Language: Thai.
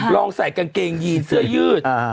ลองใส่กางเกงยีนเสื้อยืด